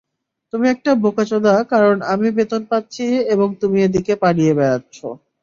তুমি একটা বোকাচোদা কারণ আমি বেতন পাচ্ছি এবং তুমি এদিকে পালিয়ে বেড়াচ্ছো।